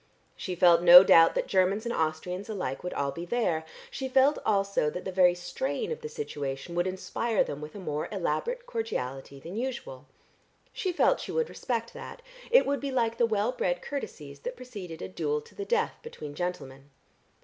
She felt no doubt that Germans and Austrians alike would all be there, she felt also that the very strain of the situation would inspire them with a more elaborate cordiality than usual. She felt she would respect that; it would be like the well bred courtesies that preceded a duel to the death between gentlemen.